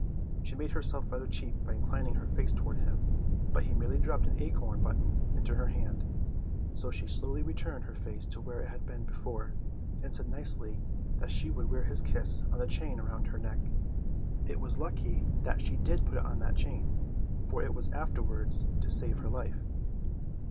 She made herself rather cheap by inclining her face toward him, but he merely dropped an acorn button into her hand, so she slowly returned her face to where it had been before, and said nicely that she would wear his kiss on the chain around her neck. It was lucky that she did put it on that chain, for it was afterwards to save her life.